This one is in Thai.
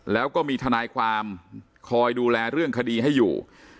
แล้วก็มีทนายความคอยดูแลเรื่องคดีให้อยู่